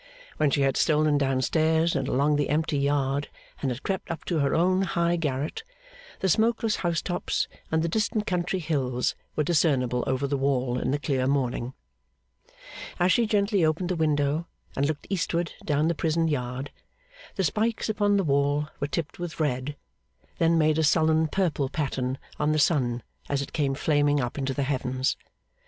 When she had stolen down stairs, and along the empty yard, and had crept up to her own high garret, the smokeless housetops and the distant country hills were discernible over the wall in the clear morning. As she gently opened the window, and looked eastward down the prison yard, the spikes upon the wall were tipped with red, then made a sullen purple pattern on the sun as it came flaming up into the heavens.